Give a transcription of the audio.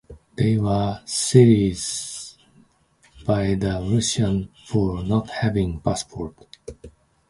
They were seized by the Russians for not having passports.